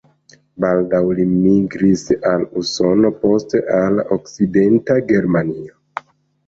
Baldaŭ li migris al Usono, poste al Okcidenta Germanio.